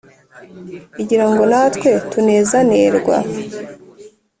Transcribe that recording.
Igira ngo natwe tunezanerwa